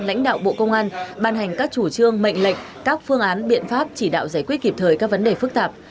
lãnh đạo bộ công an ban hành các chủ trương mệnh lệnh các phương án biện pháp chỉ đạo giải quyết kịp thời các vấn đề phức tạp